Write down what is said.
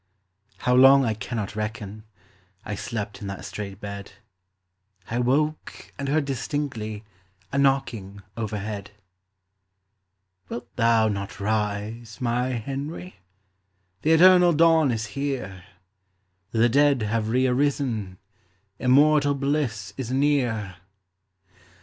How long I cannot reckon, I slept in that strait bed; I woke and heard distinctly A knocking overhead. "Wilt thou not rise, my Henry? The eternal dawn is here; The dead have re arisen, Immortal bliss is near."